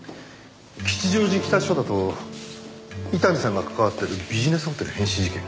吉祥寺北署だと伊丹さんが関わってるビジネスホテル変死事件。